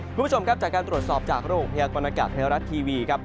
คุณผู้ชมครับจากการตรวจสอบจากระบบพยากรณากาศไทยรัฐทีวีครับ